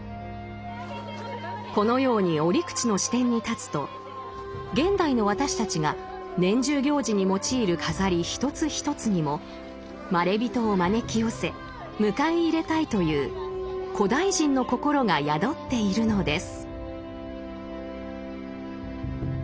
このように折口の視点に立つと現代の私たちが年中行事に用いる飾り一つ一つにもまれびとを招き寄せ迎え入れたいという古代人の心が宿っているのです。